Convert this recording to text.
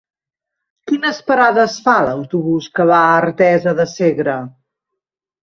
Quines parades fa l'autobús que va a Artesa de Segre?